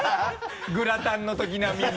グラタンのとき並みに。